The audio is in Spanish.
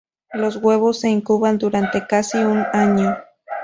Los huevos se incuban durante casi un año.